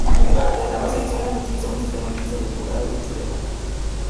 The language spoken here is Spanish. En ambas ediciones se utilizó un sistema mixto de jurado y televoto.